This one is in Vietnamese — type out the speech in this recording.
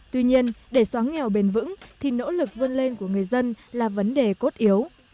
tuy nhiên để xóa nghèo bền vững thì nỗ lực vươn lên của người dân là vấn đề cốt yếu